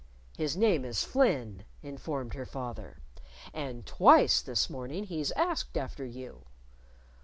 "His name is Flynn," informed her father. "And twice this morning he's asked after you."